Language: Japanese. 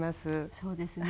そうですね。